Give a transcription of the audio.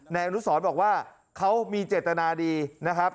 นายอนุสรบอกว่าเขามีเจตนาดีนะครับ